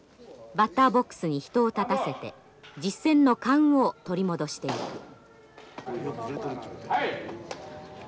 バッターボックスに人を立たせて実戦の勘を取り戻していく。